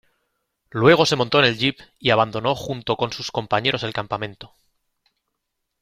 Luego se montó en el jeep y abandonó junto con sus compañeros el campamento.